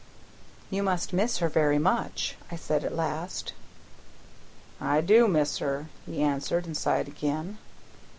"You must miss her very much?" I said at last. "I do miss her," he answered, and sighed again.